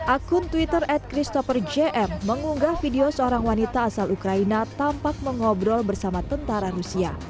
akun twitter at christopher jm mengunggah video seorang wanita asal ukraina tampak mengobrol bersama tentara rusia